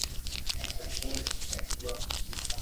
Se ha introducido en Cabo Verde.